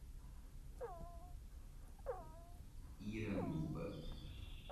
Iranduba